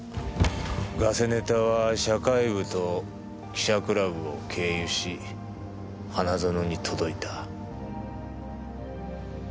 ガセネタは社会部と記者クラブを経由し花園に届いた。